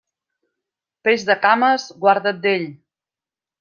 Peix de cames, guarda't d'ell.